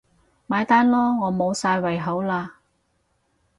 埋單囉，我無晒胃口喇